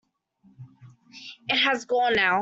It has gone now.